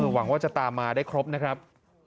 หวังว่าจะตามมาได้ครบนะครับ